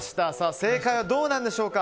正解はどうなんでしょうか。